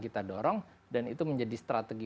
kita dorong dan itu menjadi strategi